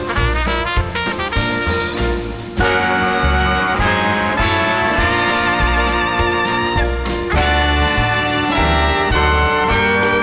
โปรดติดตามต่อไป